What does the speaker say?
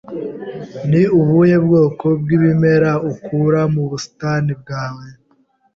Ni ubuhe bwoko bw'ibimera ukura mu busitani bwawe?